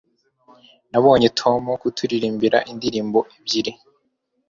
nabonye tom kuturirimbira indirimbo ebyiri